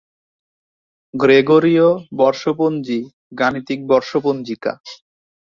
গ্রেগরীয় বর্ষপঞ্জী গাণিতিক বর্ষ পঞ্জিকা।